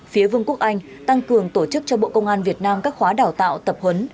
phía vương quốc anh tăng cường tổ chức cho bộ công an việt nam các khóa đào tạo tập huấn